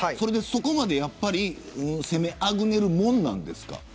そこまで攻めあぐねるものなんですか。